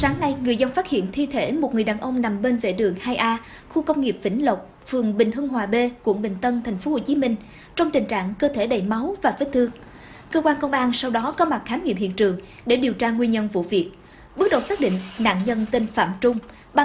các bạn hãy đăng kí cho kênh lalaschool để không bỏ lỡ những video hấp dẫn